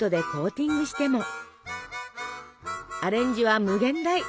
アレンジは無限大！